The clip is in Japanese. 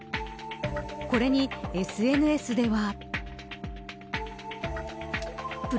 これにＳＮＳでは。